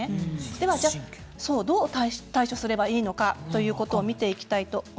ではどう対処すればいいのかということを見ていきたいと思います。